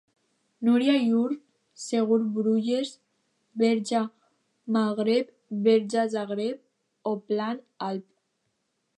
Núria-Irun, Segur-Bruges, Berga-Magreb, Berga-Zagreb o Plan-Alp.